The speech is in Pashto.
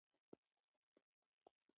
بهرني اسعار مه کاروئ.